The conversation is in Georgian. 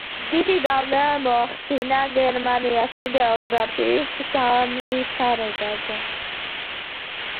დიდი გავლენა მოახდინა გერმანიაში გეოგრაფიის განვითარებაზე.